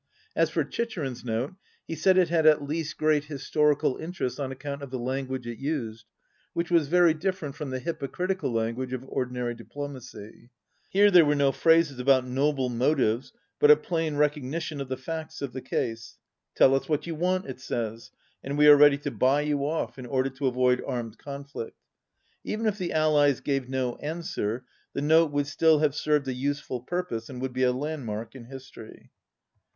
As for Chicherin's Note, he said it had at least great historical interest on account of the language it used, which was very different from the hypocritical language of ordinary diplomacy. Here were no phrases about noble motives, but a plain recognition of the facts of the case. "Tell us what you want," it says, "and we are ready to buy you off, in order to avoid armed conflict." Even if the Allies gave no answer the Note would still have served a useful purpose and would be a landmark in history.